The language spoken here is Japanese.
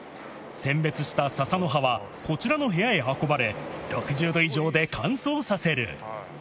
選別したささの葉は、こちらの部屋へ運ばれ、６０度以上で乾燥させる。